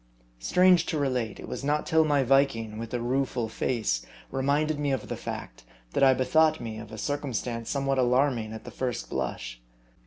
Strange to relate, it was not till my Viking, with a rueful face, reminded me of the fact, that I bethought me of a cir cumstance somewhat alarming at the first blush.